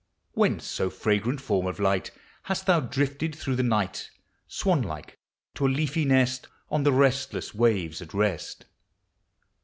Whence, O fragrant form of light, Hast thou drifted through the night, Swanlike, to a leafy nest, On the restless waves, at rest?